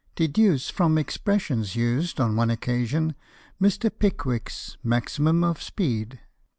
Deduce from expressions used on one occasion Mr. Pickwick's maximum of speed.